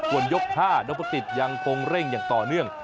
วันยก๕นับประกฤษยังคงเร่งอย่างต่อเนื่อง